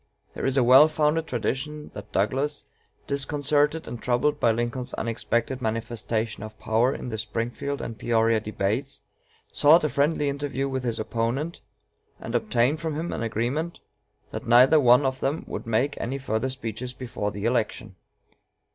There is a well founded tradition that Douglas, disconcerted and troubled by Lincoln's unexpected manifestation of power in the Springfield and Peoria debates, sought a friendly interview with his opponent, and obtained from him an agreement that neither one of them would make any further speeches before the election.